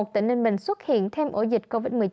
tỉnh ninh bình xuất hiện thêm ổ dịch covid một mươi chín